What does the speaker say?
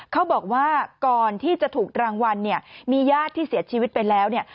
เขาบอกว่าก่อนที่จะถูกรางวัลเนี่ยมีญาติที่เสียชีวิตไปแล้วเนี่ย